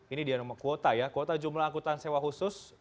ini dia kuota ya kuota jumlah angkutan sewa khusus